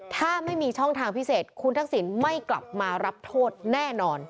ถ้าไม่มีช่องทางพิเศษคุณทักษิณไม่กลับมารับโทษแน่นอน